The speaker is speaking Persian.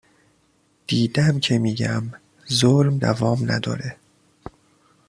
دیدم که می گم ظلم دوام نداره